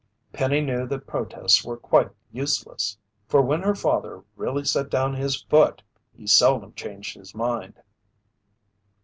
Penny knew that protests were quite useless, for when her father really set down his foot, he seldom changed his mind.